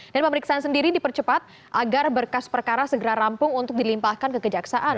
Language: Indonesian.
dan pemeriksaan sendiri dipercepat agar berkas perkara segera rampung untuk dilimpahkan kekejaksaan